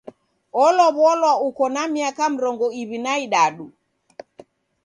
Olow'olwa uko na miaka mrongo iw'i na idadu.